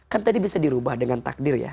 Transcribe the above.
kan tadi bisa dirubah dengan takdir ya